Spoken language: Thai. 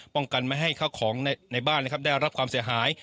กันไม่ให้เข้าของในบ้านนะครับได้รับความเสียหาย